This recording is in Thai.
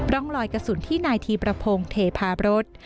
ร่องลอยกระสุนที่นายธีประพงศ์เทพารส